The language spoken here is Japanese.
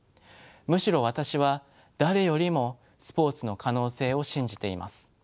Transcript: むしろ私は誰よりもスポーツの可能性を信じています。